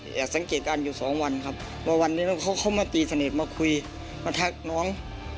อยากสังเกตการณ์อยู่สองวันครับว่าวันนี้น้องเขาเข้ามาตีสนิทมาคุยมาทักน้อง